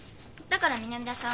だから南田さん